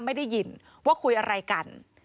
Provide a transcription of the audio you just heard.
ได้ยินว่าคุยอะไรกัน